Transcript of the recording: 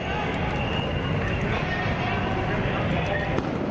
เพราะตอนนี้ก็ไม่มีเวลาให้เข้าไปที่นี่